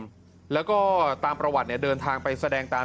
แล้วก็ตามประวัติเนี่ยเดินทางไปแสดงตาม